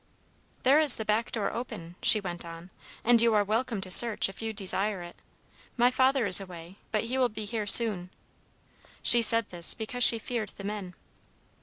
"'There is the back door open,' she went on, 'and you are welcome to search, if you desire it. My father is away, but he will be here soon.' She said this because she feared the men.